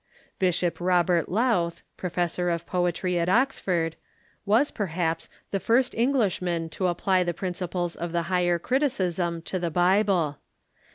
Bishop Robert Lowth, Professor of Poetry at Ox ford, was, perha])S, the first Englishman to a]iply the i)rincjples of the Higher Criticism to the Bible.